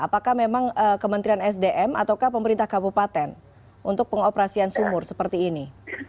apakah memang kementerian sdm ataukah pemerintah kabupaten untuk pengoperasian sumur seperti ini